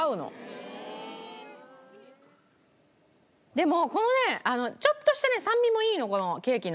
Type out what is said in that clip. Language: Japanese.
でもこのねちょっとした酸味もいいのこのケーキの。